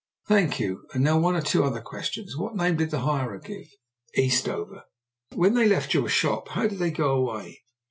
"Thank you. And now one or two other questions. What name did the hirer give?" "Eastover." "When they left your shop how did they go away?"